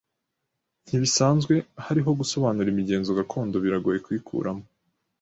Ntibisanzwe hariho gusobanura imigenzo gakondo, biragoye kuyikuramo.